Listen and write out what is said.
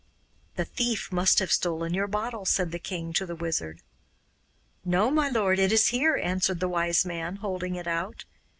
'The thief must have stolen your bottle,' said the king to the Wizard. 'No, my lord, it is here,' answered the Wise Man, holding it out.